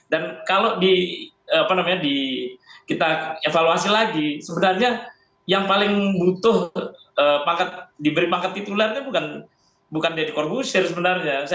dan kalau di apa namanya kita evaluasi lagi sebenarnya yang paling butuh pangkat diberi pangkat titular itu bukan dedy kornbusir sebenarnya